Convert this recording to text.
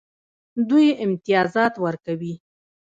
دوی امتیازات ورکوي.